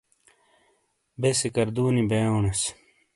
بے سکردو نی بئیونیس۔